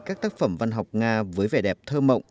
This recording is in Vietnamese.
các tác phẩm văn học nga với vẻ đẹp thơ mộng